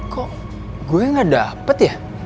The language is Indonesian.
kok gue gak dapat ya